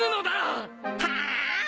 はあ！？